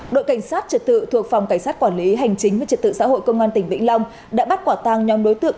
đội cảnh sát trật tự thuộc phòng cảnh sát quản lý hành chính với trật tự xã hội công an tỉnh vĩnh long đã bắt quả tăng nhóm đối tượng